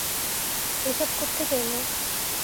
এসব কোত্থেকে এলো?